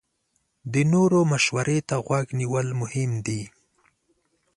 د نورو مشورې ته غوږ نیول مهم دي.